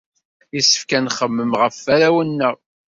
Yessefk ad nxemmem ɣef warraw-nneɣ.